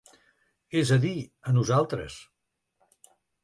És a dir, a nosaltres.